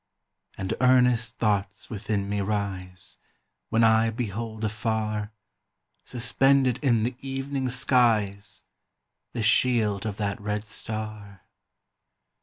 And earnest thoughts within me rise, When I behold afar, Suspended in the evening skies The shield of that red star.